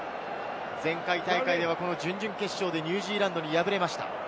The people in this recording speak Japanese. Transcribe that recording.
前回大会では準々決勝でニュージーランドに敗れました。